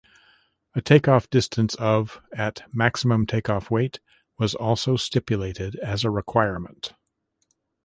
A takeoff distance of at maximum takeoff weight was also stipulated as a requirement.